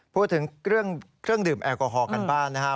พูดถึงเครื่องดื่มแอลกอฮอลกันบ้านนะครับ